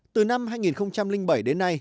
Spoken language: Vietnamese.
từ năm hai nghìn bảy đến nay